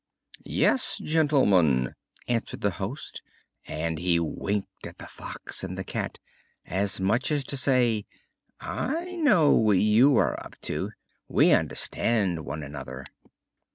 "Yes, gentlemen," answered the host, and he winked at the Fox and the Cat, as much as to say: "I know what you are up to. We understand one another!"